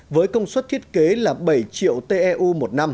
với công suất thiết kế là bảy triệu tàu